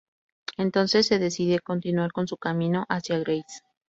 Entonces decide continuar su camino hacia Grasse.